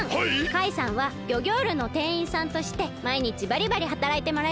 カイさんはギョギョールのてんいんさんとしてまいにちバリバリはたらいてもらいます！